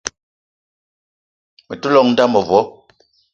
Me te llong n'da mevo.